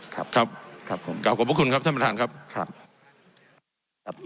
ครับครับผมขอบคุณครับท่านประทานครับครับ